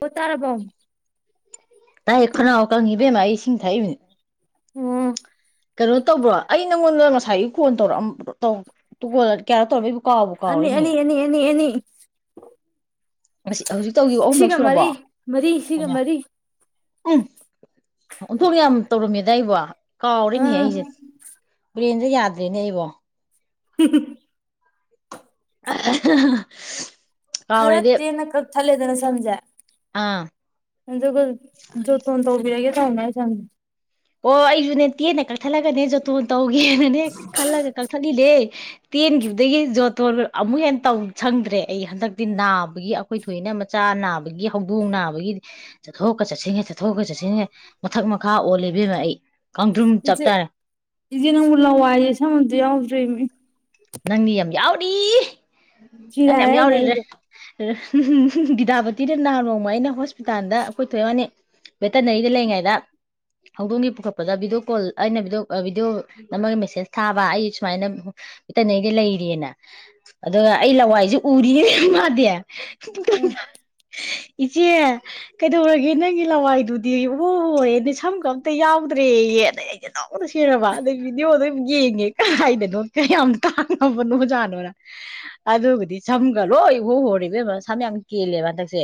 ꯑꯣ ꯇꯔꯥꯕꯣ ꯇꯥꯌꯦ ꯈꯅꯥꯎ ꯀꯪꯌꯦ ꯏꯕꯦꯝꯃ ꯏꯁꯤꯡ ꯊꯛꯏꯕꯅꯦ ꯎꯝ ꯀꯩꯅꯣ ꯇꯧꯕ꯭ꯔꯣ ꯑꯩ ꯅꯪꯉꯣꯟꯗ ꯉꯁꯥꯏꯒꯤ ꯀꯣꯟ ꯇꯧꯔꯛꯑ ꯀꯣ ꯇꯧꯔꯃꯤ ꯑꯅꯤ ꯑꯅꯤ ꯑꯅꯤ [unintelligible] ꯍꯧꯖꯤꯛ ꯇꯧꯈꯤꯕ ꯑꯍꯨꯝꯂꯛ ꯁꯤꯒ ꯁꯨꯔꯕꯣ ꯃꯔꯤ ꯃꯔꯤ ꯁꯤꯒ ꯎꯝ ꯃꯔꯤ ꯑꯣꯟꯊꯣꯛ ꯌꯥꯝ ꯇꯧꯔꯝꯃꯦꯗ ꯑꯩꯕꯣ ꯀꯥꯎꯔꯦꯅꯦꯍꯦ ꯑꯥ ꯑꯩꯁꯦ ꯕꯨꯔꯦꯟꯁꯦ ꯌꯥꯗ꯭ꯔꯦꯅꯦ ꯑꯩꯕꯣ [unintelligible] [unintelligible] ꯈꯔ ꯇꯦꯟꯅ ꯀꯛꯊꯠꯂꯦꯗꯅ ꯁꯝꯖꯦ ꯑꯥ ꯇꯣꯡ ꯇꯧꯕꯤꯔꯒꯦ ꯇꯅ [unintelligible] ꯆꯪ [unintelligible] ꯑꯣ ꯑꯩꯁꯨꯅꯦ ꯇꯦꯟꯅ ꯀꯛꯊꯠꯂꯒꯅꯦꯖꯇꯣꯟ ꯇꯧ ꯈꯜꯂꯒ ꯀꯛꯊꯠꯅꯤꯅꯦ ꯇꯦꯟꯈꯤꯕꯗꯒꯤ ꯖꯣꯠꯣꯠ ꯑꯃꯨꯛ ꯍꯦꯟꯅꯧ ꯁꯪꯗ꯭ꯔꯦ ꯑꯩ ꯍꯟꯗꯛꯇꯤ ꯅꯥꯕꯒꯤ ꯑꯩꯈꯣꯏ ꯊꯣꯏꯏꯅ ꯃꯆꯥ ꯅꯥꯕꯒꯤ ꯍꯧꯗꯣꯡ ꯅꯥꯕꯒꯤꯗꯤ ꯆꯠꯊꯣꯛꯀ ꯆꯠꯁꯤꯟꯒꯦ ꯆꯠꯊꯣꯛꯑ ꯆꯠꯁꯤꯟꯒꯦ ꯃꯊꯛ ꯃꯈꯥ ꯑꯣꯜꯂꯤ ꯏꯕꯦꯝꯃ ꯑꯩ ꯏꯆꯦ ꯅꯪꯕꯨ ꯂꯋꯥꯏꯁꯦ ꯁꯝ ꯑꯃꯠꯇ ꯌꯥꯎꯗ꯭ꯔꯦꯃꯦ ꯅꯪꯗꯤ ꯌꯥꯝ ꯌꯥꯎꯔꯤ ꯆꯤꯔꯥꯏ ꯅꯅꯦ ꯍꯥꯏꯅꯦ ꯌꯥꯎꯔꯗ꯭ꯔꯦ ꯑꯩꯁꯦ [unintelligible] ꯎꯝ ꯒꯤꯗꯥꯄꯇꯤꯗ ꯅꯍꯥꯟ ꯅꯣꯡꯃ ꯑꯩꯅ ꯍꯣꯁꯄꯤꯇꯥꯜꯗ ꯑꯩꯈꯣꯏ ꯊꯣꯛꯕꯥꯅꯤ ꯚꯦꯇꯅꯔꯤꯗ ꯂꯩꯔꯤꯉꯩꯗ ꯍꯧꯗꯣꯡꯒꯤ ꯄꯨꯈꯠꯄꯗ ꯚꯤꯗꯤꯑꯣ ꯀꯣꯜ ꯑꯩꯅ ꯚꯑꯣ ꯚꯤꯗꯤꯑꯣ ꯅꯃꯒ ꯃꯦꯁꯦꯁ ꯊꯥꯕ ꯑꯩ ꯁꯨꯃꯥꯏꯅ ꯏꯇꯅꯦꯗꯤ ꯂꯩꯔꯤꯌꯦꯅ ꯑꯗꯨꯒ ꯑꯩ ꯂꯋꯥꯏꯁꯨ ꯄꯨꯔꯤꯅꯦ ꯃꯥꯗꯤ ꯑꯥ ꯏꯆꯦ ꯀꯩꯗꯧꯔꯒꯦ ꯅꯪꯒꯤ ꯂꯋꯥꯏꯗꯨꯗꯤ ꯑꯣꯍꯣꯍꯦꯅꯦ ꯁꯝ ꯀ ꯑꯝꯇ ꯌꯥꯎꯗ꯭ꯔꯦꯅ ꯑꯩ ꯑꯦꯣꯔ ꯁꯤꯔꯕ ꯑꯗꯨꯕꯤꯗꯤꯑꯣꯗ [unintelligible] ꯌꯦꯡꯉꯦ ꯀꯗꯥꯏꯗꯅꯣ ꯀꯌꯥꯝ ꯥꯡꯉ ꯅꯣ ꯑꯣꯖꯥꯠꯅꯣꯅ ꯑꯗꯨꯕꯨꯗꯤ ꯁꯝꯒ ꯂꯣꯏ ꯍꯣ ꯍꯣꯔꯤꯕꯃ ꯁꯝ ꯌꯥꯝ ꯀꯦꯜꯂꯦꯕ ꯍꯟꯗꯛꯁꯦ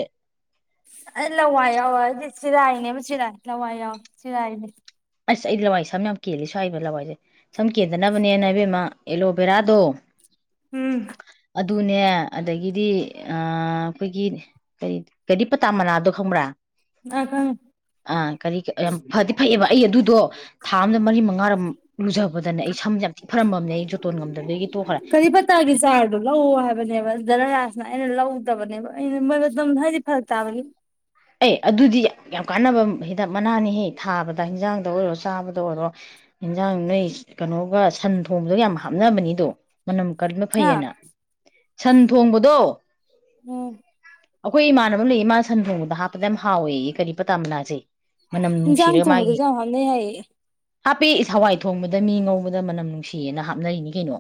ꯑꯩ ꯂꯋꯥꯏ ꯌꯥꯎꯋꯦ ꯑꯩꯗꯤ ꯆꯤꯔꯥꯏꯅꯦꯕ ꯆꯔꯥꯏ ꯂꯋꯥꯏ ꯌꯥꯎꯋꯦ ꯆꯔꯥꯏꯅꯦ ꯑꯁ ꯑꯩ ꯂꯋꯥꯏ ꯏꯁꯝ ꯌꯥꯝ ꯀꯦꯜꯂꯤꯁꯨꯏꯕ ꯂꯋꯥꯏꯁꯦ ꯁꯝ ꯀꯦꯗꯅꯕꯅꯦꯅ ꯍꯥꯏꯕꯦꯝꯃ ꯑꯦꯂꯣꯕꯦꯔꯥꯗꯣ ꯎꯝ ꯑꯗꯨꯅꯦ ꯑꯗꯒꯤꯗꯤ ꯑꯩꯈꯣꯏꯒꯤ ꯀꯔꯤ ꯀꯔꯤ ꯄꯇꯥ ꯃꯅꯥꯗꯣ ꯈꯪꯕ꯭ꯔꯥ ꯑ ꯈꯪꯅꯦ ꯑꯥ ꯀꯔꯤ ꯌꯥꯝ ꯐꯗꯤ ꯐꯩꯌꯦꯕ ꯑꯩ ꯑꯗꯨꯗꯣ ꯊꯥ ꯑꯃꯗ ꯃꯔꯤ ꯃꯉꯥꯔꯣꯝ ꯂꯨꯖꯕꯗꯅꯦ ꯑꯩ ꯁꯝ ꯌꯥꯝ ꯊꯤꯛ ꯐꯔꯝꯃꯕꯅꯦ ꯑꯩ ꯖꯣꯇꯣꯟ ꯉꯝꯗꯕꯗꯒꯤ ꯇꯣꯛꯈ꯭ꯔꯦ ꯀꯔꯤꯄꯇꯥꯒꯤ ꯆꯥꯔꯗꯣ ꯂꯧꯑꯣ ꯠꯇꯕꯅꯦꯕ ꯑꯩꯅ ꯃꯣꯏ ꯑꯗꯨꯝ ꯍꯥꯏꯗꯤ ꯐꯔꯛ ꯇꯥꯕꯅꯤ ꯑꯦ ꯑꯗꯨꯗꯤ ꯌꯥꯝ ꯌꯥꯝ ꯀꯥꯟꯅꯕ ꯍꯤꯗꯥꯛ ꯃꯅꯥꯅꯤ ꯍꯦꯛ ꯊꯥꯕꯗ ꯍꯟꯖꯥꯡꯗ ꯑꯣꯏꯔꯣ ꯆꯥꯕꯗ ꯑꯣꯏꯔꯣ ꯌꯦꯟꯖꯥꯡ ꯅꯣꯏ ꯀꯩꯅꯣꯒ ꯁꯟ ꯊꯣꯡꯕꯗꯒ ꯌꯥꯝ ꯍꯥꯞꯅꯕꯅꯤꯗꯣ ꯃꯅꯝ ꯀꯅ ꯍꯥ ꯐꯩꯌꯦꯅ ꯁꯟ ꯊꯣꯡꯕꯗꯣ ꯎꯝ ꯑꯩꯈꯣꯏ ꯏꯃꯥꯟꯅꯕ ꯑꯃ ꯂꯩ ꯏ ꯃꯥꯥ ꯁꯟ ꯊꯣꯡꯕꯗ ꯍꯥꯞꯄ ꯗ ꯍꯥꯥꯎꯋꯦ ꯀꯔꯤ ꯄꯇꯥꯝꯅꯥꯁꯦ ꯌꯥꯥꯡꯪ ꯇꯨꯡ ꯃꯗꯨ ꯆꯥꯎꯍꯅꯦ ꯍꯥꯏ ꯍꯥꯞꯄ ꯍꯋꯥꯏ ꯊꯣꯡꯕꯗ ꯃꯤ ꯉꯧꯕꯗ ꯃꯅꯝ ꯅꯨꯡꯁꯤꯌꯦꯅ ꯍꯥꯞꯅꯔꯤꯅꯤ ꯀꯩꯅꯣ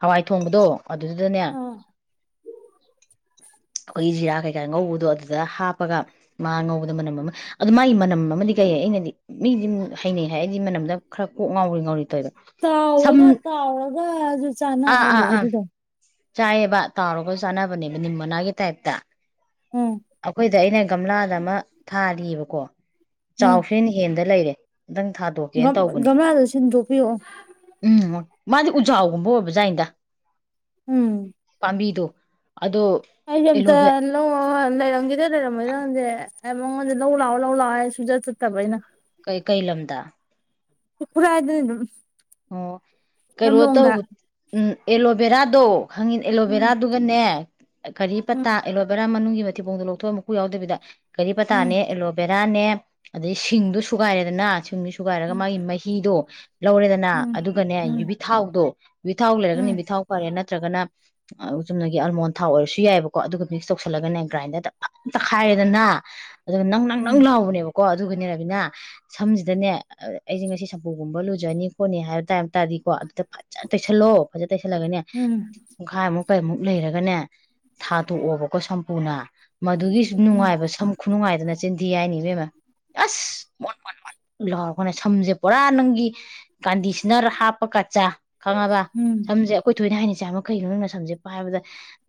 ꯍꯋꯥꯏ ꯊꯣꯡꯕꯗꯣ ꯑꯗꯨꯗꯤꯗꯅ ꯑꯥ ꯏꯖꯤ ꯔꯈꯦ ꯀꯥꯏ ꯉꯗ ꯑꯗꯨꯗ ꯍꯥꯞꯄꯒ ꯃꯥ ꯉꯧꯕꯗ ꯃꯅꯝ ꯑꯃ ꯑꯗꯨ ꯃꯥꯒꯤ ꯃꯅꯝ ꯑꯃꯗꯤ ꯀꯩ ꯑꯩꯅꯗꯤ ꯃꯤꯗꯤꯝ ꯍꯩꯅꯩ ꯍꯥꯏ ꯑꯩꯗꯤ ꯃꯅꯝꯗ ꯈꯔ ꯀꯣꯛ ꯉꯥꯎꯔꯤ ꯉꯥꯎꯔꯤ ꯇꯧꯋꯦꯕ ꯁꯝ ꯇꯥꯎꯒ ꯇꯥꯎꯒ ꯑꯗꯨ ꯆꯥꯟꯅ ꯃꯥ ꯂꯩꯦ ꯑꯗꯨꯗ ꯆꯥꯏꯑꯕ ꯇꯥꯎꯔꯒꯁꯨ ꯆꯥꯅꯕꯅꯦꯕ ꯅꯤꯝ ꯃꯅꯥꯒꯤ ꯇꯥꯏꯞꯇ ꯎꯝ ꯑꯩꯈꯣꯏꯗ ꯑꯩꯅ ꯒꯝꯂꯥꯗ ꯑꯃ ꯊꯥꯔꯤꯑꯕꯀꯣ ꯆꯥꯎꯐꯦꯟ ꯍꯦꯟꯗ ꯂꯩꯔꯦ ꯑꯝꯇꯪ ꯊꯥꯗꯣꯛꯀꯦꯅ ꯇꯧꯕꯅꯦ ꯝꯃꯦꯗꯁꯤ ꯣꯄꯤꯣ ꯎꯝ ꯃꯥꯗꯤ ꯎꯖꯥꯎꯒꯨꯝꯕ ꯑꯣꯏꯕꯖꯥꯟꯗ ꯄꯥꯝꯕꯤꯗꯨ ꯑꯩꯁꯝꯗ ꯂꯣ ꯂꯩꯔꯝꯈꯤꯗ ꯂꯩꯔꯝꯃꯣꯏꯔꯪꯁꯦ ꯑꯦ ꯃꯉꯣꯟꯗꯦ ꯂꯧ ꯂꯥꯛꯑꯣ ꯂꯧ ꯂꯥꯛꯑꯣ ꯑꯩ ꯁꯨꯖꯠ ꯆꯠꯇꯕ ꯑꯩꯅ ꯀꯩ ꯀꯩ ꯂꯝꯝꯗ ꯄꯨꯔ ꯍꯥꯏꯗꯅꯤ ꯑꯗꯨ ꯑꯣ ꯀꯣ ꯇ ꯎꯝ ꯑꯦꯂꯣꯕꯦꯔꯥꯗꯣ ꯈꯪꯉꯤ ꯎꯝ ꯑꯦꯂꯣꯚꯦꯔꯥꯗꯨꯒꯅꯦ ꯀꯔꯤ ꯄꯇꯥ ꯎꯝ ꯑꯦꯂꯣꯕꯦꯔꯥ ꯃꯅꯨꯡꯒꯤ ꯃꯊꯤꯕꯣꯡꯗꯣ ꯂꯧꯊꯣꯛꯒ ꯃꯀꯨ ꯌꯥꯎꯗꯕꯤꯗ ꯀꯔꯤ ꯎꯝ ꯄꯇꯥꯅꯦ ꯑꯦꯂꯣꯕꯦ ꯔꯅꯦ ꯑꯗꯩ ꯁꯤꯡꯗꯣ ꯁꯨꯒꯥꯏꯔꯦꯗꯅ ꯁꯤꯡ ꯊꯨꯒꯥꯏꯔꯒ ꯎꯝ ꯃꯥꯒꯤ ꯃꯍꯤꯗꯣ ꯂꯧꯧꯔꯗ ꯎꯝ ꯑꯗꯨꯒꯅꯦ ꯎꯝ ꯌꯨꯕꯤ ꯊꯥꯎꯗꯣ ꯕꯤꯊꯥꯎ ꯂꯩꯔꯒꯅꯤ ꯎꯝ ꯕꯤꯊꯥꯎ ꯐꯔꯦ ꯅꯠꯇ꯭ꯔꯒꯅ ꯆꯨꯝꯅꯒꯤ ꯑꯜꯃꯣꯟ ꯊꯥꯎ ꯑꯣꯏꯔꯁꯨ ꯌꯥꯏꯑꯕꯀꯣ ꯑꯗꯨꯒ ꯃꯤꯛꯁ ꯇꯧꯁꯜꯂꯒꯅꯦ ꯒ꯭ꯔꯥꯏꯟꯗꯔꯗ ꯑ ꯇꯛꯈꯥꯏꯔꯦꯗꯅ ꯑꯗꯨꯒ ꯅꯪ ꯅꯪ ꯎꯝ ꯅꯪ ꯂꯥꯛꯕꯅꯦꯕ ꯀꯣ ꯑꯗꯨꯒꯅꯦ ꯔꯥꯕꯤꯅꯥ ꯁꯝꯁꯤꯗꯅꯦ ꯑꯩꯁꯦ ꯉꯁꯤ ꯁꯝꯄꯨꯒꯨꯝꯕ ꯂꯨꯖꯅꯤ ꯍꯣꯅꯦ ꯍꯥꯏꯕ ꯇꯥꯏꯕ ꯇꯔꯗꯤꯀꯣ ꯑꯗꯨ ꯐꯖ ꯇꯩꯁꯜꯂꯣ ꯐꯖ ꯇꯩꯁꯜꯂꯒꯅꯦ ꯎꯝ ꯄꯨꯡꯈꯥꯏꯃꯨꯛ ꯀꯩꯃꯨꯛ ꯂꯩꯔꯒꯅꯦ ꯊꯥ ꯇꯣꯛꯑꯣꯕꯀꯣ ꯁꯝꯄꯨꯅ ꯃꯗꯨꯒꯤꯁꯨ ꯎꯝ ꯅꯨꯡꯉꯥꯏꯕ ꯁꯝ ꯈꯨꯅꯨꯡꯉꯥꯏꯗꯅ ꯆꯦꯟꯊꯤ ꯍꯥꯏꯅꯤꯕꯦꯝꯃ ꯑꯁ ꯂꯧꯔꯈꯅꯦ ꯁꯝꯁꯦ ꯄꯨꯔꯥ ꯅꯪꯒꯤ ꯀꯟꯗꯤꯁꯅꯔ ꯍꯥꯞꯄ ꯀꯠꯆꯥꯥ ꯈꯪꯉꯕ ꯎꯝ ꯁꯝꯁꯦ ꯑꯩꯈꯣꯏ ꯊꯣꯏꯅ ꯍꯥꯏꯅꯤꯁꯤ ꯄꯁꯆꯥ ꯃꯈꯩꯅ ꯅꯪꯅ ꯁꯝꯁꯦꯄꯥꯏ ꯍꯥꯏꯕꯗ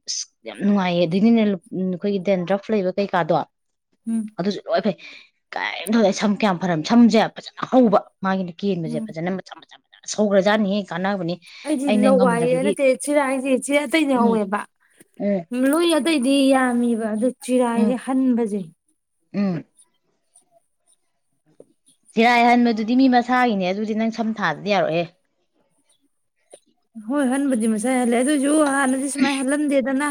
ꯑꯁ ꯌꯥꯝ ꯅꯨꯡꯉꯥꯏꯌꯦ ꯑꯗꯨꯏꯅꯤꯅꯦ ꯑꯩꯈꯣꯏꯒꯤ ꯗꯦꯟ ꯗ꯭ꯔꯐ ꯂꯩꯕ ꯀꯩꯀꯥꯗꯣ ꯎꯝ ꯑꯗꯨꯁꯨ ꯂ ꯐ ꯀꯩꯝ ꯊꯧꯗꯏꯦ ꯁꯝ ꯀꯌꯥꯝ ꯐꯔ ꯁꯝꯁꯦ ꯐꯖꯅ ꯍꯧꯕ ꯃꯥꯒꯤꯅ ꯀꯦꯟꯕꯁꯦ ꯎꯝ ꯐꯖꯅ ꯁꯧꯒ꯭ꯔꯖꯥꯅꯤꯍ ꯀꯥꯟꯅꯕꯅꯤ ꯑꯩꯗꯤ ꯑꯩꯅ ꯂꯋꯥꯏꯌꯦ ꯉꯝꯗꯕꯒꯤ ꯅꯠꯇꯦ ꯆꯦꯔꯥꯛ ꯑꯩꯁꯦ ꯏ ꯆꯦ ꯑꯇꯩꯅꯦ ꯎꯝ ꯍꯧꯋꯦꯕ ꯎꯝ ꯂꯣꯏ ꯑꯇꯩꯗꯤ ꯌꯥ ꯕ ꯑꯗꯨ ꯎꯝ ꯆꯤꯔꯥꯏꯁꯦ ꯍꯟꯕꯁꯩ ꯎꯝ ꯐꯤꯔꯥꯏ ꯍꯟꯕꯗꯨꯗꯤ ꯃꯤ ꯃꯁꯥꯒꯤꯅꯦ ꯑꯗꯨꯗꯤ ꯅꯪ ꯁꯝꯊꯥꯗꯗꯤ ꯌꯥꯔꯛꯑꯦ ꯍꯣꯏ ꯍꯟꯕꯗꯤ ꯃꯁꯥꯏꯂ ꯌꯖꯍꯅꯗꯤ ꯁꯃꯥꯏ ꯍꯜꯂꯂꯝꯗꯦꯗꯅ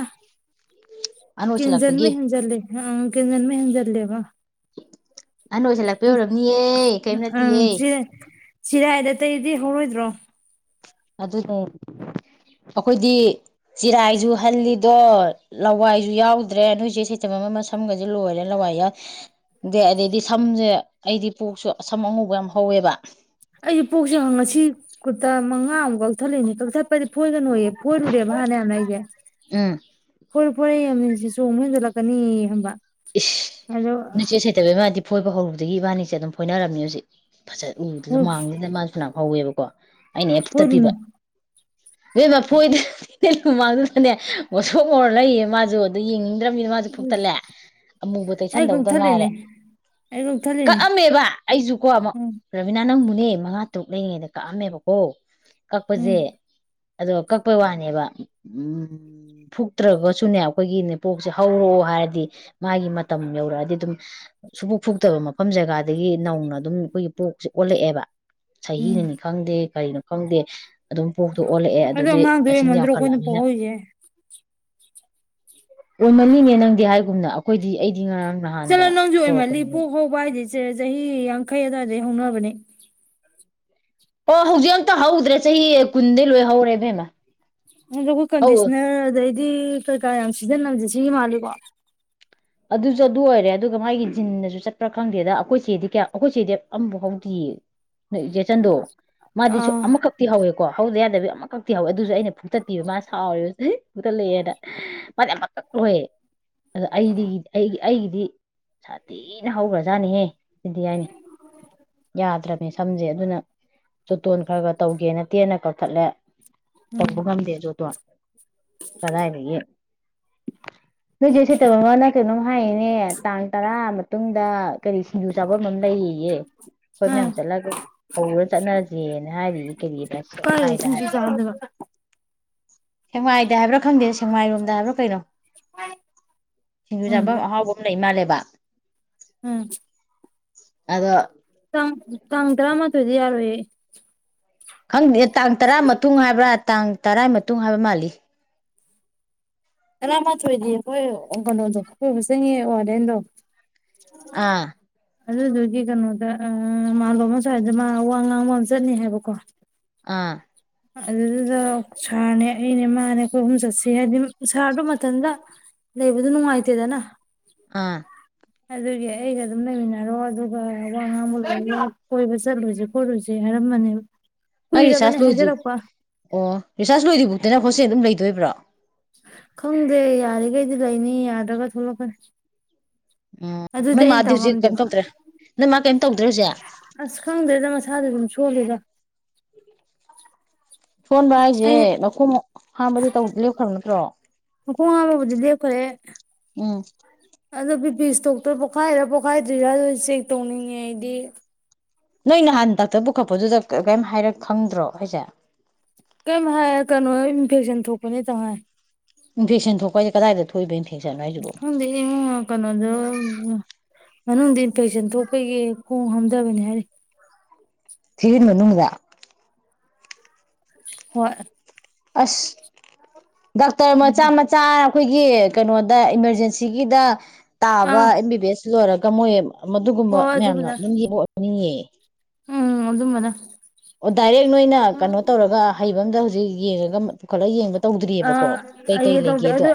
ꯑꯍꯟ ꯀꯤꯟꯖꯟꯕ ꯑꯣꯏꯁꯜꯂꯛꯄꯒꯤ ꯍꯦꯟꯖꯤꯜꯂꯦ ꯑ ꯑ ꯀꯤꯟꯖꯟꯕ ꯍꯦꯟꯖꯜꯂꯦꯕ ꯑꯍꯟ ꯑꯣꯏꯁꯜꯂꯛꯄꯩ ꯑꯣꯏꯔꯝꯅꯤꯌꯦ ꯀꯩꯝ ꯎꯝ ꯅꯠꯇꯤꯌꯦ ꯆꯔꯥꯏꯗ ꯑꯇꯩꯗꯤ ꯍꯧꯔꯣꯏꯗ꯭ꯔꯣ ꯑꯗꯨꯅꯦ ꯑꯩꯈꯣꯏꯗꯤ ꯆꯤꯔꯥꯏꯁꯨ ꯍꯜꯂꯤꯗꯣ ꯂꯋꯥꯏꯁꯨ ꯌꯥꯎꯗ꯭ꯔꯦ ꯅꯣꯏꯁꯦ ꯁꯩꯇꯝ ꯑꯃ ꯁꯝꯒꯁꯦ ꯂꯣꯏꯔꯦ ꯂꯋꯥꯏ ꯌꯥꯎꯗꯦ ꯑꯗꯩꯗꯤ ꯁꯝꯁꯦ ꯑꯩꯗꯤ ꯄꯣꯛꯁꯨ ꯁꯝ ꯑꯉꯨꯧꯕ ꯌꯥꯝ ꯍꯧꯋꯦꯕ ꯑꯩ ꯄꯣꯛꯁꯦ ꯉꯁꯤ ꯀꯨꯇꯥ ꯃꯉꯥꯃꯨꯛ ꯀꯛꯊꯠꯂꯛꯏꯅꯦ ꯀꯛꯊꯠ ꯗꯤ ꯐꯣꯏꯒꯅ ꯑꯣꯏꯌꯦꯦ ꯐꯣꯏꯔꯨꯨꯔꯦꯕ ꯃꯥꯥꯟꯅ ꯌꯥꯝꯥꯟꯅ ꯎꯝ ꯑꯩꯁꯦꯣꯏ ꯍꯣꯔꯦ ꯑꯃꯅꯤꯁꯤ ꯆꯣꯡꯕ ꯍꯦꯟꯖꯜꯂꯛꯀꯅꯤ ꯍꯕ ꯏꯁ ꯆꯦ ꯁꯩꯇꯕꯒꯤ ꯃꯥꯗꯤ ꯐꯣꯏꯕ ꯍꯧꯔꯨꯗꯦ ꯑꯗꯨꯗꯒꯤ ꯏꯕꯥꯅꯤꯁꯦ ꯑꯗꯨꯝ ꯐꯣꯏꯅꯔꯝꯃꯤ ꯍꯧꯖꯤꯛ ꯐꯖꯠ ꯎꯗꯨꯁꯨ ꯃꯥꯡꯗꯅ ꯃꯥꯁꯨ ꯐꯅꯥ ꯍꯧꯋꯦꯕꯀꯣ ꯑꯩꯅ ꯍꯦꯛ ꯐꯨꯛꯇꯠꯄꯤꯕ ꯐꯣꯏꯔꯨꯅꯨ ꯏꯕꯦꯝꯃ ꯐꯣꯏꯗꯦ ꯃꯥꯡꯗꯨꯗꯅꯦ ꯉꯧꯁꯣꯛ ꯉꯧꯔ ꯂꯩꯌꯦ ꯃꯥꯁꯨ ꯑꯗꯨ ꯌꯦꯡꯉ ꯅꯤꯅ ꯃꯥꯁꯨ ꯐꯨꯛꯇꯠꯂꯦ ꯑꯃꯨꯕ ꯑꯩ ꯇꯩꯁꯟꯗꯧꯗ ꯀꯛꯊꯠꯂꯤꯅꯦ ꯉꯥꯏꯔꯦ ꯑꯩ ꯀꯛꯊꯠꯂꯤꯅꯦ ꯀꯛꯑꯝꯃꯦꯕ ꯑꯩꯁꯨ ꯀꯣ ꯑꯃꯨꯛ ꯎꯝ ꯔꯕꯤꯅꯥ ꯅꯪ ꯅꯅꯦ ꯃꯉꯥ ꯇꯔꯨꯛ ꯂꯩꯔꯤꯉꯩꯗ ꯀꯛꯑꯝꯃꯦꯕꯀꯣ ꯎꯝ ꯀꯛꯄꯁꯦ ꯑ ꯀꯛꯄꯩ ꯋꯥꯅꯦꯕ ꯎ ꯐꯨꯛꯇ꯭ꯔꯒꯁꯨꯅꯦ ꯑꯩꯈꯣꯏꯒꯤꯅꯦ ꯄꯣꯛꯁꯦ ꯍꯧꯔꯛꯑꯣ ꯍꯥꯏꯔꯗꯤ ꯃꯥꯒꯤ ꯃꯇꯝ ꯌꯧꯔꯛꯑꯗꯤ ꯑꯗꯨꯝ ꯁꯨꯕꯨꯛ ꯐꯨꯛꯇꯕ ꯃꯐꯝ ꯖꯒꯥꯗ ꯑꯗꯒꯤ ꯅꯧꯅ ꯑꯗꯨꯝ ꯑꯩꯈꯣꯏꯒꯤ ꯄꯣꯛꯁꯦ ꯑꯣꯜꯂꯛꯑꯦꯕ ꯎꯝ ꯆꯍꯤꯅꯅꯤ ꯈꯪꯗꯦ ꯀꯔꯤꯅꯣ ꯈꯪꯗꯦ ꯑꯗꯨꯝ ꯊ ꯑꯣꯜꯂꯛꯑꯦ ꯑꯗꯣ ꯑꯗꯨꯗꯤ ꯑꯉꯥꯡꯗꯣ ꯃꯁꯤꯡ ꯑꯣꯏꯃꯟꯗ꯭ꯔꯣ ꯑꯩꯈꯣꯏꯅ ꯌꯥꯝꯈꯠꯂꯛꯑꯅꯤꯅ ꯄꯣꯛꯍꯧꯔꯤꯁꯦ ꯑꯣꯏꯃꯜꯂꯤꯅꯦ ꯅꯪꯗꯤ ꯍꯥꯏꯒꯨꯝꯅ ꯑꯩꯈꯣꯏꯗꯤ ꯑꯩ ꯆꯂꯣ ꯅꯣꯡꯁꯨ ꯑꯣꯏꯃꯜꯂꯤ ꯄꯣꯛ ꯍꯧꯕ ꯍꯥꯏꯗꯦ ꯁꯦ ꯆꯍꯤ ꯌꯥꯡꯈꯩ ꯑꯗꯨꯋꯥꯏ ꯑꯗꯥꯏꯗꯩꯩ ꯍꯧꯅꯕꯅꯦ ꯑꯣ ꯍꯧꯖꯤꯛ ꯑꯃꯇ ꯍꯧꯗ꯭ꯔꯦ ꯆꯍꯤ ꯀꯨꯟꯗꯩ ꯂꯣꯏ ꯍꯧꯔꯦ ꯏꯕꯦꯝꯃ ꯑ ꯑꯩꯈꯣꯏ ꯍꯧ ꯀꯟꯗꯤꯁꯅꯔ ꯑꯗꯩꯗꯤ ꯀꯩꯀꯥ ꯌꯥꯝ ꯏꯅ ꯍꯧꯖꯤꯟꯅꯕꯁꯦ ꯁꯤꯒꯤ ꯃꯥꯜꯂꯤꯀꯣ ꯑꯗꯨꯁꯨ ꯑꯗꯨ ꯑꯣꯏꯔꯦ ꯑꯗꯨꯒ ꯃꯥꯒꯤ ꯖꯤꯟꯅꯁꯨ ꯆꯠꯄ꯭ꯔꯥ ꯈꯪꯗꯦꯗ ꯑꯩꯈꯣꯏ ꯆꯦꯗꯤ ꯀꯌꯥ ꯑꯩꯈꯣꯏ ꯆꯦꯗꯤ ꯑꯃꯐꯥꯎ ꯍꯧꯎꯗꯔꯤꯌꯦ ꯅꯣꯏ ꯏꯆꯦ ꯆꯟꯗꯣ ꯃꯥꯗꯤ ꯁꯨ ꯑꯥ ꯑꯃꯈꯛꯇꯤ ꯍꯧꯋꯦꯣ ꯀꯣ ꯍꯧꯗ ꯌꯥꯗꯕꯤ ꯑꯃ ꯀꯛꯇꯤ ꯍꯧꯏ ꯑꯗꯨꯁꯨ ꯑꯩꯅ ꯐꯨꯛꯇꯠꯄꯤꯕ ꯃꯥꯅ ꯁꯥꯎꯔꯤꯕ ꯐꯨꯛꯇꯠꯂꯛꯑꯦꯅ ꯃꯥꯗꯤ ꯑꯃꯛ ꯀꯛ ꯂꯣꯏ ꯑꯗꯣ ꯑꯩꯗꯤ ꯑꯩꯒꯤ ꯑꯩꯒꯤꯗꯤ ꯁꯥꯊꯤꯅ ꯍꯧꯈ꯭ꯔꯖꯥꯠꯅꯤꯍꯦ ꯁꯤꯗꯤ ꯍꯥꯏꯅꯤ ꯌꯥꯗꯔꯃꯦ ꯁ ꯁꯝꯖꯦ ꯑꯗꯨꯅ ꯆꯣꯇꯣꯟ ꯈꯔ ꯈꯔ ꯇꯧꯒꯦꯅ ꯇꯦꯟꯅ ꯀꯛꯊꯠꯂꯦ ꯎꯝ ꯇꯧꯕ ꯉꯝꯗꯦ ꯖꯣꯇꯣꯟ ꯀꯗꯥꯏꯗꯒꯤ ꯅꯣꯏ ꯆꯦ ꯁꯩꯇꯚꯃꯥꯅ ꯀꯩꯅ ꯍꯥꯏꯅꯦ ꯇꯥꯡ ꯇꯔꯥ ꯃꯇꯨꯡꯗ ꯀꯔꯤ ꯁꯤꯡꯖꯨ ꯆꯥꯐꯝ ꯑꯃ ꯂꯩꯔꯤꯌꯦꯌꯦ ꯑꯩꯈꯣꯏ ꯑꯥ ꯃꯌꯥꯝ ꯆꯠꯂꯒ ꯍꯧꯔ ꯆꯠꯅꯔꯁꯦꯅ ꯍꯥꯏꯔꯤꯌꯦ ꯀꯔꯤ ꯀꯥꯏꯗ ꯍꯥꯏꯗ ꯁꯤꯡꯖꯨ ꯍꯥꯏꯕꯗꯣ ꯆꯥꯕꯗꯕ ꯁꯦꯛꯃꯥꯏꯗ ꯍꯥꯏꯕ꯭ꯔꯥ ꯈꯪꯗꯦ ꯁꯤ ꯁꯦꯛꯃꯥꯏꯔꯣꯝꯗ ꯍꯥꯏꯕꯔꯥ ꯀꯩꯅꯣ ꯁꯤꯡꯖꯨ ꯆꯥꯐꯝ ꯈꯪꯗꯦ ꯑꯍꯥꯎꯕ ꯑꯃ ꯂꯩ ꯂꯩ ꯃꯥꯟꯂꯦꯕ ꯎꯝ ꯑꯗꯣ ꯇꯥꯡ ꯇꯔꯥꯃꯥꯊꯣꯏꯗꯤ ꯌꯥꯔꯣꯏꯌꯦ [inaudible] ꯈꯪꯗꯦ ꯇꯥꯡ ꯇꯔꯥ ꯃꯇꯨꯡ ꯍꯥꯏꯕ꯭ꯔꯥ ꯇꯥꯡ ꯇꯔꯥꯏ ꯃꯇꯨꯡ ꯍꯥꯏꯕ ꯃꯥꯜꯂꯤ ꯇꯔꯥꯃꯊꯣꯏꯗꯤ ꯑꯩꯈꯣꯏ ꯀꯩꯅꯣꯗꯣ ꯑꯩꯈꯣꯏ ꯑꯃ ꯆꯪꯉ ꯋꯥꯔꯦꯟꯗꯣ ꯑꯥ ꯑꯗꯨꯗꯨꯒꯤ ꯀꯩꯅꯣꯗ ꯃꯥꯂꯣꯝꯁ꯭ꯋꯥꯏꯗ ꯃꯥ ꯋꯥ ꯉꯥꯡꯃꯣ ꯆꯠꯅꯤ ꯍꯥꯏꯕꯀꯣ ꯑꯥ ꯑꯗꯨꯗꯨꯗ ꯁꯥꯔꯅꯦ ꯑꯩꯅꯦ ꯃꯥꯅꯦ ꯀꯣꯏ ꯑꯍꯨꯝ ꯆꯠꯁꯤ ꯍꯥꯏꯕꯗꯤ ꯁꯥꯔꯗꯨꯣ ꯃꯊꯟꯇ ꯂꯩꯕꯗ ꯅꯨꯡꯉꯥꯏꯇꯦꯗꯅ ꯑ ꯑꯗꯨꯒꯤ ꯑꯩꯒ ꯑꯗꯨꯝ ꯂꯩꯃꯤꯟꯅꯔꯣ ꯑꯗꯨꯒ ꯋꯥ ꯉꯥꯡꯕ ꯀꯣꯏꯕ ꯆꯠꯂꯨꯁꯦ ꯈꯣꯠꯂꯨꯁꯦ ꯍꯥꯏꯔꯝꯕꯅꯦꯕ ꯅ ꯀꯨꯏꯔꯕꯅꯦ ꯔꯤꯁꯔꯖ ꯂꯣꯏ ꯍꯥꯏꯖꯔꯛꯄ ꯑꯣ ꯔꯤꯆꯆꯥꯖ ꯂꯣꯏ ꯃꯣꯏꯠꯁꯦ ꯑꯗꯨꯝ ꯂꯩꯗꯣꯏꯕ꯭ꯔꯣ ꯈꯪꯗꯦ ꯌꯥꯔꯤꯈꯩꯗꯤ ꯂꯩꯅꯤ ꯌꯥꯗ꯭ꯔꯒ ꯊꯣꯛꯂꯛꯀꯅꯤ ꯎꯝ ꯑꯗꯨꯗꯤ ꯅꯣꯏ ꯑꯩꯅ ꯃꯥꯗꯤ ꯇꯧ ꯍꯧꯖꯤꯛ ꯀꯩꯅꯝ ꯉꯝꯗꯦꯕ ꯇꯧꯗ꯭ꯔꯦ ꯅꯣꯏ ꯃꯥ ꯀꯩꯝ ꯇꯧꯗ꯭ꯔꯦ ꯍꯧꯖꯤꯛ ꯁꯨꯂꯗ ꯁꯣꯟꯕ ꯍꯥꯏꯁꯦ ꯃꯈꯨꯝ ꯍꯝꯕꯗꯤ ꯇꯧ ꯂꯦꯞꯈ꯭ꯔꯕ ꯅꯠꯇ꯭ꯔꯣ ꯀꯣꯟ ꯑꯃꯕꯨꯗꯤ ꯗꯦ ꯈꯔꯦ [inaudible] ꯑꯗꯣ ꯕꯤ ꯄ ꯏꯁꯇꯣꯛꯇ ꯄꯣꯛꯈꯥꯏꯔ ꯄꯣꯈꯥꯏꯗ꯭ꯔꯤꯔꯥ ꯑꯗꯨ ꯆꯦꯛ ꯇꯧꯅꯤꯡꯉꯦ ꯑꯩꯗꯤ ꯅꯣꯏ ꯅꯍꯥꯟ ꯗꯥꯛꯇꯔ ꯄꯨꯈꯠꯄꯗꯨꯗ ꯀꯔꯤꯝ ꯍꯥꯏꯔ ꯈꯪꯗ꯭ꯔꯣ ꯍꯥꯏꯁꯦ ꯀꯩꯝ ꯍꯥꯏ ꯀꯩꯅꯣ ꯏꯟꯐꯦꯛꯁꯟ ꯊꯣꯛꯄꯅꯦꯇ ꯍꯥꯏ ꯏꯟꯐꯦꯛꯁꯟ ꯊꯣꯛꯄ ꯍꯥꯏꯁꯦ ꯀꯗꯥꯏꯗ ꯊꯣꯛꯏꯕ ꯏ ꯍꯗꯤ ꯀꯩꯅꯣ ꯑꯗꯨ ꯃꯅꯨꯡꯗ ꯏꯟꯐꯦꯛꯁꯟ ꯊꯣꯛꯄꯒꯤ ꯈꯣꯡ ꯍꯥꯝꯊꯕꯅꯤ ꯍꯥꯏꯔꯤ ꯊꯔꯤꯅ ꯃꯅꯗ ꯍꯣꯏ ꯑꯁ ꯗꯥꯛꯇꯔ ꯃꯆꯥ ꯃꯆꯥ ꯑꯩꯈꯣꯏꯒꯤ ꯀꯩꯅꯣꯗ ꯏꯃꯥꯔꯖꯦꯟꯁꯤꯒꯤꯗ ꯇꯥꯕ ꯑꯥ ꯑꯦꯝ ꯕꯤ ꯕꯤ ꯑꯦꯁ ꯂꯣꯏꯔꯒ ꯃꯣꯏ ꯃꯗꯨꯒꯨꯝꯕ ꯍꯣꯏ ꯃꯌꯥꯝꯅ ꯑꯗꯨꯝꯕꯅ ꯑꯗꯨꯝ ꯌꯦꯕ ꯑꯣꯏꯅꯤꯉꯑ [inaudible] ꯎꯝ ꯑꯗꯨꯝꯕꯅꯦ ꯑꯣ ꯗꯥꯏꯔꯦꯛ ꯅꯣꯏꯅ ꯀꯩꯅꯣ ꯇꯧꯔꯒ ꯍꯩꯕ ꯑꯃꯗ ꯍꯧꯖꯤꯛ ꯌꯦꯡꯉꯒ ꯄꯨꯈꯠꯂꯒ ꯌꯦꯡꯕ ꯑ ꯇꯧꯗ꯭ꯔꯤꯑꯕꯀꯣ ꯀꯩꯀꯩ ꯑꯩ ꯇꯧꯗꯦ ꯂꯩꯒꯦꯗꯣ ꯑꯗꯨ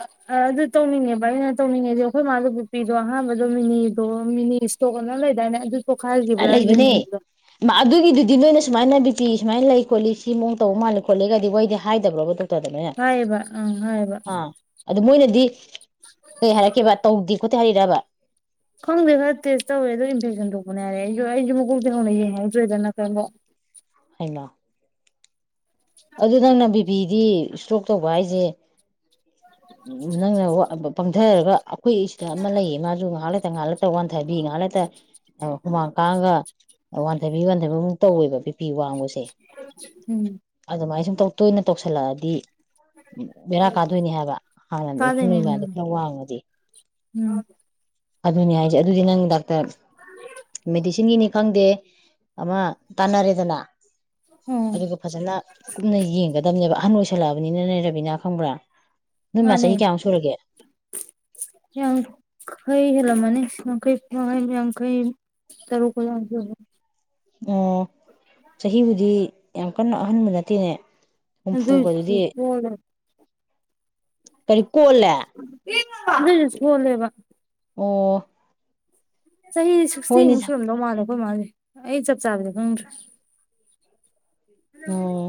ꯑꯗꯨ ꯇꯧꯅꯤꯡꯉꯦꯕ ꯑꯩꯅ ꯇꯧꯅꯤꯡꯉꯦꯗꯤ ꯑꯩꯈꯣꯏ ꯃꯥꯗꯨꯕꯨ ꯅꯨꯄꯤꯗꯣ ꯑꯍꯥꯟꯕꯗꯣ ꯃꯤꯅꯤꯗꯣ ꯃꯤꯅꯤ ꯏꯁꯇꯣꯛ ꯑꯅ ꯂꯩꯗꯥꯏꯅꯦ ꯑꯗꯨ ꯄꯣꯛꯈꯥꯏꯈꯤꯕ꯭ꯔꯥ ꯂꯩꯕꯅꯦ ꯌꯦꯡꯅꯤꯡꯕꯗꯣ ꯑꯗꯨꯒꯤꯗꯨꯗꯤ ꯅꯣꯏꯅ ꯁꯨꯃꯥꯏꯅ ꯕꯤꯄꯤꯤ ꯁꯨꯃꯥꯏꯅ ꯂꯩ ꯈꯣꯠꯂꯤ ꯁꯤ ꯃꯑꯣꯡ ꯇꯧꯕ ꯃꯥꯜꯂꯦ ꯈꯣꯠꯂꯤꯒꯗꯤ ꯋꯥꯣꯏꯗꯤ ꯍꯥꯏꯗ꯭ꯔꯕ ꯗꯣꯛ ꯃꯣꯏꯅ ꯍꯥꯏꯌꯦꯕ ꯑꯪ ꯍꯥꯏꯌꯦꯕ ꯑꯥ ꯑꯗꯨ ꯃꯣꯏꯅꯗꯤ ꯀꯩ ꯍꯥꯏꯔꯛꯀꯦꯕ ꯇꯧꯗꯦ ꯀꯣꯊ ꯍꯥꯏ ꯔꯕ ꯈꯪꯗꯦ ꯈꯔ ꯇꯦꯁ ꯇꯧꯋꯦ ꯑꯣ ꯏꯟꯐꯦꯛꯁꯟ ꯊꯣꯛꯄꯅꯦ ꯍꯥꯏꯔꯦ ꯑꯩꯁꯨ ꯑꯩꯁꯨ ꯃꯀꯨꯜꯗꯤ ꯍꯧꯅ ꯌꯦꯡꯉꯦ ꯑꯗꯨꯗ꯭ꯔꯣꯏꯗꯅ ꯀꯪꯣ ꯑꯩꯅ ꯑꯗꯨ ꯅꯪꯅꯕꯤ ꯕꯤꯗꯤ ꯏꯁꯇꯣꯛ ꯇꯧꯕ ꯍꯥꯏꯁꯦ ꯅꯪꯅ ꯄꯪꯊꯔꯒ ꯑꯩꯈꯣꯏ ꯁꯤꯗ ꯑꯃ ꯂꯩꯌꯦ ꯃꯥꯁꯨ ꯉꯥꯏꯍꯥꯛ ꯉꯥꯏꯍꯥꯛꯇ ꯋꯥꯟꯊꯕꯤ ꯉꯥꯏꯍꯥꯛꯇ ꯍꯨꯃꯥꯡ ꯀꯥꯡꯥꯡꯉꯒ ꯋꯥꯟꯊꯕꯤ ꯋꯥꯟꯊꯕꯤꯃꯨꯛ ꯇꯧꯋꯦꯕ ꯕꯤꯄꯤ ꯋꯥꯡꯕꯁꯦ ꯎꯝ ꯑꯗꯨꯃꯥꯏꯅ ꯁꯨꯝ ꯇꯣꯏꯅ ꯇꯧꯁꯤꯜꯂꯛꯑꯗꯤ ꯕꯦꯔꯥ ꯀꯥꯗꯣꯏꯅꯤ ꯍꯥꯏꯕ ꯍꯥꯟꯅ ꯀꯥꯗꯣꯏꯅꯦ ꯏꯈꯣꯣꯏꯃꯗ ꯎꯝ ꯈꯔ ꯋꯥꯡꯉꯗꯤ ꯑꯗꯨꯅꯤ ꯍꯥꯏꯁꯦ ꯑꯗꯨꯗꯤ ꯅꯪ ꯗꯥꯛ ꯗ ꯃꯦꯗꯤꯁꯤꯟꯒꯤꯅꯤ ꯈꯪꯗꯦ ꯑꯃ ꯇꯥꯟꯅꯔꯦꯗꯅ ꯎꯝ ꯑꯗꯨꯒ ꯐꯖꯅ ꯀꯨꯞꯅ ꯌꯦꯡꯒꯗꯕꯅꯦꯕ ꯑꯍꯟ ꯑꯣꯏꯁꯜꯂꯛꯑꯕꯅꯤꯅꯅꯦ ꯔꯕꯤꯅꯥ ꯈꯪꯕ꯭ꯔꯥ ꯅꯣꯏ ꯃꯥ ꯃꯥꯅꯦ ꯆꯍꯤ ꯀꯌꯥꯃꯨꯛ ꯁꯨꯔꯒꯦ ꯁ ꯍꯩꯒꯂ ꯃꯅꯤ ꯀꯩ ꯐꯉ ꯌꯥꯝ ꯀꯩ ꯇꯔꯨ ꯀ ꯑꯣ ꯆꯍꯤꯕꯨꯗꯤ ꯌꯥꯝ ꯀꯟꯅ ꯑꯍꯟꯕ ꯅꯠꯇꯦꯅꯦ ꯍꯨꯝꯐꯨꯒꯗꯨꯗꯤ ꯂꯧꯁꯤꯟꯕ ꯉꯝꯗꯕ ꯀꯔꯤ ꯀꯣꯜꯂꯦ ꯑꯗꯨꯏꯖꯨ ꯁꯣꯜꯂꯦꯕ ꯑꯣ ꯆꯍꯤꯖꯤ ꯍꯣꯏꯅꯦ ꯁꯤꯛꯁꯇꯤꯃꯨꯛ ꯁꯨꯔꯝꯗꯧ ꯃꯥꯜꯂꯦ ꯈꯣꯏꯃꯥꯖꯦ ꯑꯩ ꯆꯞ ꯆꯥꯕꯗꯣ ꯈꯪꯗ꯭ꯔꯦ ꯑꯣ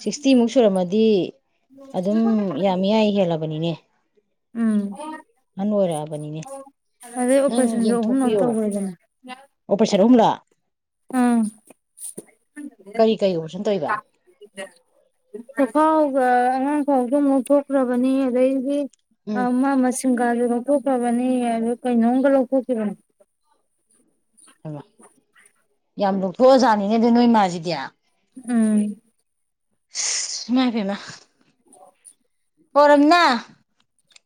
ꯁꯤꯛꯁꯇꯤꯃꯨꯛ ꯁꯨꯔꯝꯃꯗꯤ ꯑꯗꯨꯝ ꯌꯥꯝ ꯃꯤꯌꯥꯏ ꯍꯦꯜꯂꯕꯅꯤꯅꯦ ꯇꯥꯕ ꯉꯝꯗꯕ ꯎꯝ ꯑꯗꯩ ꯅꯪ ꯑꯣꯄ꯭ꯔꯦꯁꯟꯖꯨ ꯑꯍꯨꯝꯂꯛ ꯇꯧꯒ꯭ꯔꯦꯗꯅ ꯁꯟ ꯑꯍꯨꯝꯂꯛ ꯎꯝ ꯀꯔꯤ ꯀꯔꯤ ꯑꯣꯄꯔꯦꯁꯟ ꯇꯧꯔꯤꯕ ꯆꯈꯥꯎ ꯁꯨ ꯑꯑ ꯑꯉꯥꯡ ꯈꯥꯎꯁꯨ ꯑꯃꯨꯛ ꯂꯧꯊꯣꯛꯈ꯭ꯔꯕꯅꯤ ꯑꯗꯩꯗꯤ ꯎꯝ ꯑꯃ ꯃꯁꯤꯡꯒꯥꯁꯨ ꯂꯧ ꯊꯣꯛꯈ꯭ꯔꯕꯅꯤ ꯑꯗꯨ ꯀꯩꯅꯣꯝꯒ ꯂꯧꯊꯣꯛꯈꯤꯕꯅꯤ ꯍꯩꯃꯥ ꯌꯥꯝ ꯂꯧꯛꯊꯣꯛꯑꯖꯥꯠꯅꯤꯅꯦ ꯑꯗꯨ ꯅꯣꯏ ꯃꯥꯥꯖꯤꯗꯤ ꯎꯝ ꯑꯁ ꯏꯃꯥꯏ ꯄꯦꯃꯥ ꯍꯣ ꯔꯝꯅꯥ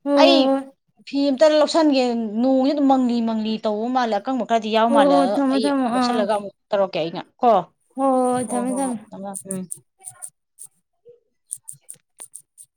ꯍꯣ ꯑꯩ ꯍꯣ ꯍꯣꯏ ꯐꯤ ꯑꯝ ꯈꯤꯇꯥ ꯂꯧꯁꯟꯒꯦ ꯅꯣꯡꯅꯤꯅꯥ ꯑꯗꯨꯝ ꯃꯪꯂꯤ ꯃꯪꯂꯤ ꯇꯧꯕ ꯃꯥꯜꯂꯦ ꯑꯀꯪꯕ ꯈꯔꯗꯤ ꯌꯥꯎ ꯍꯣ ꯃꯥꯜꯂꯦ ꯍꯣꯏ ꯑꯗꯣ ꯑꯩ ꯂꯧꯁꯜꯂꯒ ꯑꯃꯨꯛ ꯇꯧꯔꯛꯀꯦ ꯑꯩꯅ ꯀꯣ ꯍꯣ ꯍꯣꯏ-ꯍꯣꯏ ꯑꯣ ꯊꯝꯃꯦ ꯍꯣ ꯍꯣꯏ ꯊꯝꯃꯦ ꯎꯝ ꯂꯧꯁꯤꯟꯕ ꯉꯝꯗꯕ